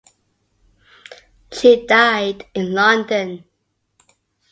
She died in London.